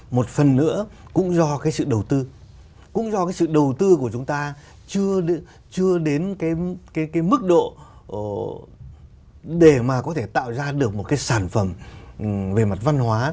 một phần nữa cũng do cái sự đầu tư cũng do cái sự đầu tư của chúng ta chưa đến cái mức độ để mà có thể tạo ra được một cái sản phẩm về mặt văn hóa